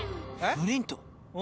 フリント！